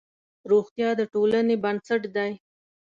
روغتیا د ټولنې بنسټ دی.